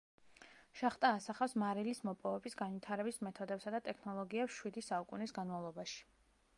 შახტა ასახავს მარილის მოპოვების განვითარების მეთოდებსა და ტექნოლოგიებს შვიდი საუკუნის განმავლობაში.